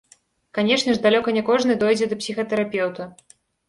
Канечне ж, далёка не кожны дойдзе да псіхатэрапеўта.